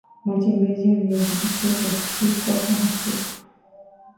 matembele ya viazi lishe hupikwa kwenye supu